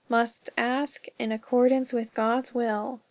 Must ask in accordance with God's will.